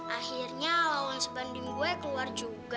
akhirnya lawan sebanding gue keluar juga